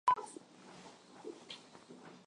Kinga yake ilivunjika na mizigo inabakia